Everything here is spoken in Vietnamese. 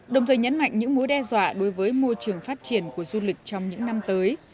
đồng thời nhấn mạnh những mối đe dọa đối với môi trường phát triển của du lịch trong những năm tới